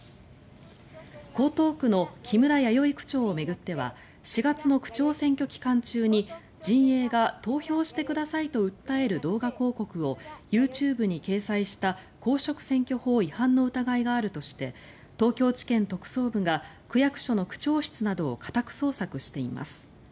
江東区の木村弥生区長を巡っては４月の区長選挙期間中に陣営が、投票してくださいと訴える動画広告をＹｏｕＴｕｂｅに掲載した公職選挙法違反の疑いがあるとして東京地検特捜部が区役所の区長室などを家宅捜索しています。